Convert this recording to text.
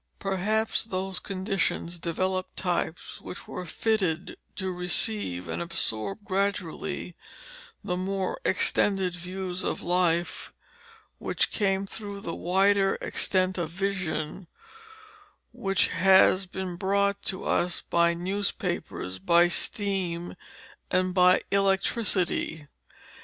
Perhaps those conditions developed types which were fitted to receive and absorb gradually the more extended views of life which came through the wider extent of vision, which has been brought to us by newspapers, by steam, and by electricity.